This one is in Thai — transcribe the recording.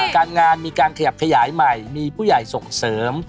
การงานมีการขยับขยายใหม่มีผู้ใหญ่ส่งเสริม